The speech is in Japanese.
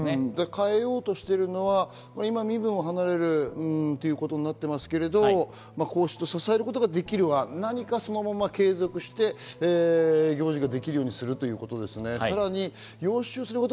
変えようとしているのは身分を離れるということになってますけど、皇室を支えることができる案、何かそのまま継続して行事ができるようにするということですね。